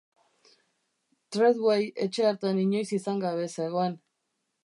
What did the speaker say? Treadway etxe hartan inoiz izan gabe zegoen.